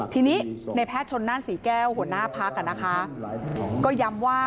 ทีนี้ในแพทย์ชนนั่นศรีแก้วหัวหน้าพักก็ย้ำว่า